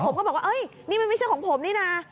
ผมก็บอกว่านี่มันไม่ใช่ของผมนี่นะ